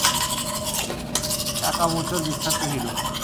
কাকামুচোর বিখ্যাত হিরো!